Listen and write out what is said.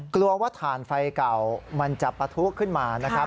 กลัวว่าทานไฟเก่ามันจะประทุกขึ้นมา